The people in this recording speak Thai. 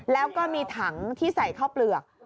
แล้วก็มีถังที่ใส่ข้าวเปลือก